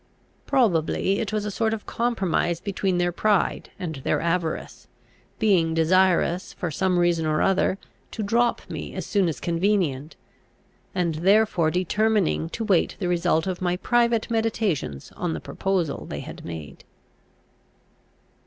Probably it was a sort of compromise between their pride and their avarice; being desirous, for some reason or other, to drop me as soon as convenient, and therefore determining to wait the result of my private meditations on the proposal they had made.